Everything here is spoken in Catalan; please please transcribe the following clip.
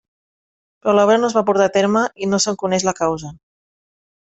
Però l'obra no es va portar a terme i no se'n coneix la causa.